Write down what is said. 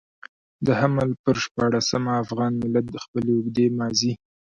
د حمل پر شپاړلسمه افغان ملت د خپلې اوږدې ماضي.